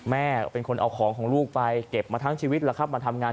แม่เป็นคนเอาของของลูกไปเก็บมาทั้งชีวิตแล้วครับมาทำงาน